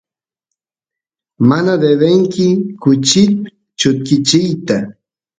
mana devenki kuchit chutkichiyta